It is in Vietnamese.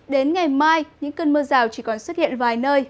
đến ngày mai những cơn mưa rào chỉ còn xuất hiện vài nơi